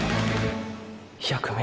１００ｍ！！